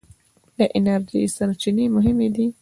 د انرژۍ سرچینې مهمې دي.